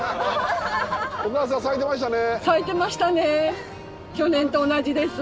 お母さん咲いてましたね。